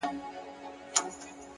هره لاسته راوړنه هڅه غواړي,